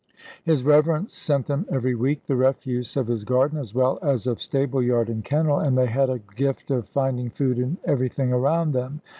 His Reverence sent them every week the refuse of his garden, as well as of stable yard and kennel, and they had a gift of finding food in everything around them.